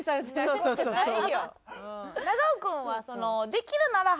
そうそうそうそう。